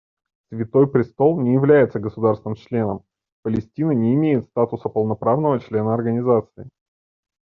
Святой Престол не является государством-членом; Палестина не имеет статуса полноправного члена Организации.